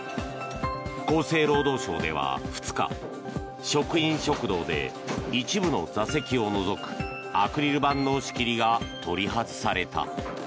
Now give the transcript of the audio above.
厚生労働省では２日職員食堂で一部の座席を除くアクリル板の仕切りが取り外された。